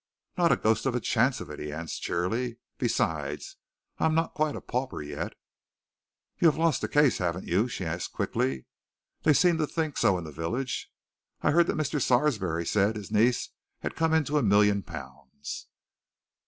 "Not a ghost of a chance of it," he answered cheerily. "Besides, I am not quite a pauper yet." "You have lost the case, haven't you?" she asked quickly. "They seemed to think so in the village, and I heard that Mr. Sarsby said his niece had come into a million pounds."